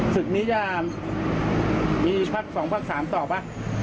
ศึกนี้จะมีพักสองพักสามต่อป่ะ